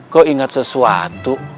kok ingat sesuatu